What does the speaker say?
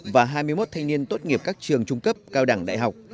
và hai mươi một thanh niên tốt nghiệp các trường trung cấp cao đẳng đại học